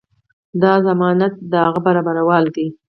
دا ضمانت د هغه برابرولو دی.